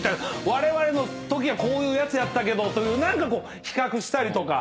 われわれのときはこういうやつやったけどという何か比較したりとか。